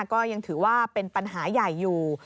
ก็ยังถือว่าเป็นปัญหาใหญ่อยู่